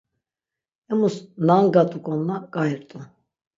Emus nangat̆uk̆onna k̆ai rt̆u.